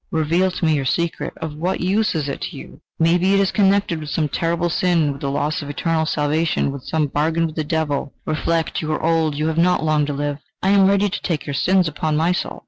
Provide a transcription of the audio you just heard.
Reveal to me your secret. Of what use is it to you?... May be it is connected with some terrible sin with the loss of eternal salvation, with some bargain with the devil... Reflect, you are old; you have not long to live I am ready to take your sins upon my soul.